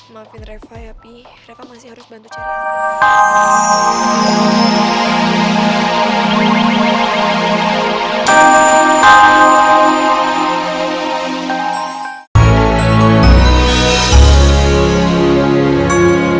maafin reva ya tapi reva masih harus bantu cari alex